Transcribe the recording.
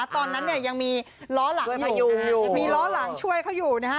ตอนนั้นเนี่ยยังมีล้อหลังช่วยเขาอยู่นะฮะ